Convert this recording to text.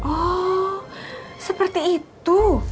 oh seperti itu